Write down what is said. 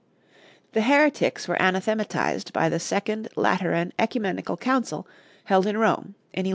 The heretics were anathematized by the Second Lateran Ecumenical Council held in Rome in 1139.